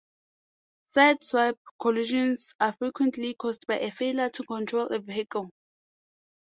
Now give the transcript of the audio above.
Sideswipe collisions are frequently caused by a failure to control a vehicle.